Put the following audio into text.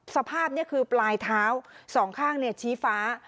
สภาพนี้คือปลายเท้าสองข้างชี้ฟ้า